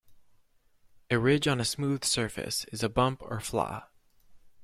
A ridge on a smooth surface is a bump or flaw.